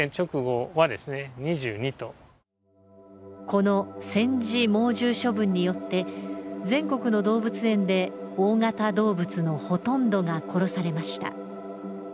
この戦時猛獣処分によって、全国の動物園で大型動物のほとんどが殺されました。